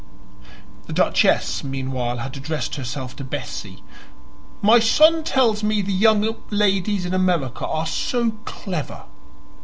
The Duchess meanwhile had addressed herself to Bessie. "My son tells me the young ladies in America are so clever."